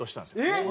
えっ！